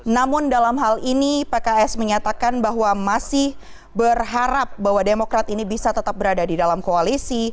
namun dalam hal ini pks menyatakan bahwa masih berharap bahwa demokrat ini bisa tetap berada di dalam koalisi